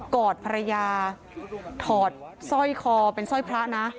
อดภรรยาถอดสร้อยคอเป็นสร้อยพระนะ